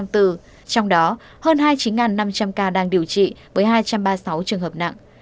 trong đó hơn hai chín trăm năm mươi ca đang điều trị với hai trăm ba mươi sáu trường hợp nặng